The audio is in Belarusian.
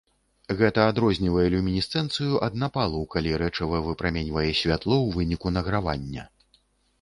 Гэта адрознівае люмінесцэнцыю ад напалу, калі рэчыва выпраменьвае святло ў выніку награвання.